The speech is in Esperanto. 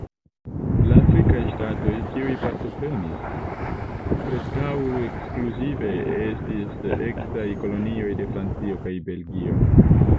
La afrikaj ŝtatoj, kiuj partoprenis, preskaŭ ekskluzive estis eksaj kolonioj de Francio kaj Belgio.